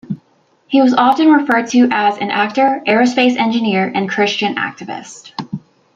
He was often referred to as an "actor, aerospace engineer, and Christian activist".